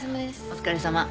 お疲れさま。